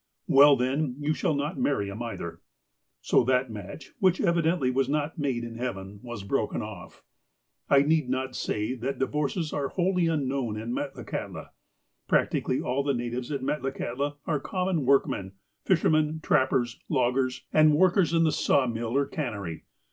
" Well, then, you shall not marry him, either." So that match, which evidently was not made in heaven, was broken off. I need not say that divorces are wholly unknown in Metlakahtla. Practically all of the natives at Metlakalitla are com mon workmen, fishermen, trappers, loggers, and workers FLOTSAM AND JETSAM 347 in the sawmill or cannery.